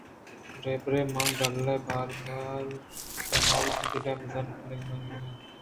برے برے من گل ءَ بال باں یا من وتی دل ءَ مزن گنداں